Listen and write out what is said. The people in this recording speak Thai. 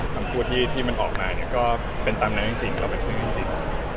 คำพูดที่มันออกมาเนี่ยก็เป็นตามนั้นจริงก็เป็นเรื่องจริง